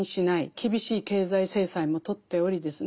厳しい経済制裁もとっておりですね